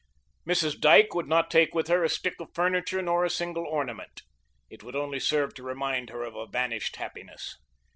Mrs. Dyke would not take with her a stick of furniture nor a single ornament. It would only serve to remind her of a vanished happiness.